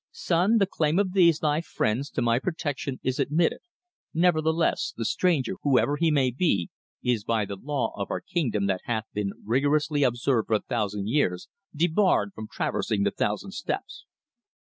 "Son, the claim of these, thy friends, to my protection is admitted; nevertheless, the stranger, whoever he may be, is by the law of our kingdom that hath been rigorously observed for a thousand years, debarred from traversing the Thousand Steps."